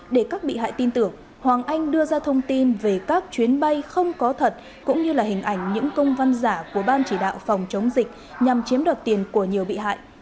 để các bị hại tin tưởng hoàng anh đưa ra thông tin về các chuyến bay không có thật cũng như là hình ảnh những công văn giả của ban chỉ đạo phòng chống dịch nhằm chiếm đoạt tiền của nhiều bị hại